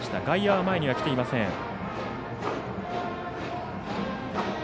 外野は前には来ていません。